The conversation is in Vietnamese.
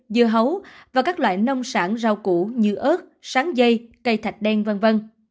dưa hấu và các loại nông sản rau củ như ớt sáng dây cây thạch đen v v